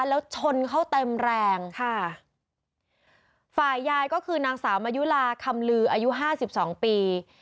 แล้วชนเขาเต็มแรงค่ะฝ่ายยายก็คือนางสาวมายุลาคำลืออายุห้าสิบสองปี